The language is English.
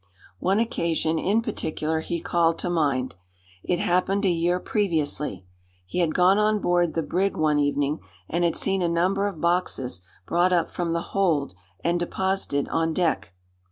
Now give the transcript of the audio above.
One occasion, in particular, he called to mind. It happened a year previously. He had gone on board the brig one evening, and had seen a number of boxes brought up from the hold and deposited on deck.